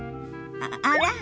あら？